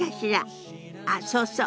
あっそうそう。